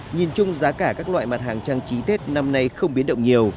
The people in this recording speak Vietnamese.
nhìn chung giá cả các loại mặt hàng trang trí tết năm nay không biến động nhiều